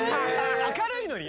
明るいのに？